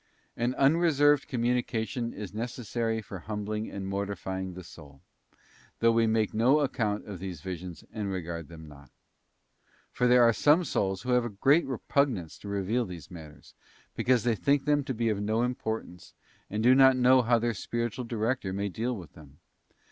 An unreserved communication is necessary for humbling and mortifying the soul, though we make no account of these visions, and regard them not. For there are some souls who have a great repugnance to reveal these matters, because they think them to be of no importance, and do not know how their spiritual director may deal with them.